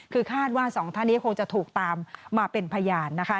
คือคาดว่าสองท่านนี้คงจะถูกตามมาเป็นพยานนะคะ